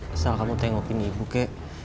masalah kamu tengokin ibu kek